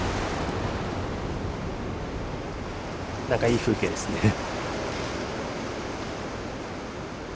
なんかいい風景ですね。